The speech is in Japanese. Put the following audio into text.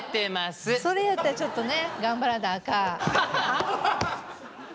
それやったらちょっとね頑張らなあかん。